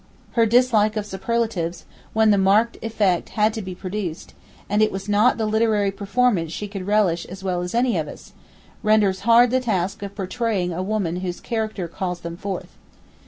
Her dislike of superlatives, when the marked effect had to be produced, and it was not the literary performance she could relish as well as any of us, renders hard the task of portraying a woman whose character calls them forth.